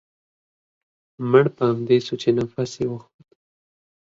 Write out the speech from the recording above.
مړ په همدې سو چې نفس يې و خوت.